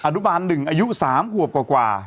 อนุบาล๑อายุ๓ขวบกว่า